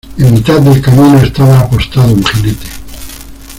en mitad del camino estaba apostado un jinete: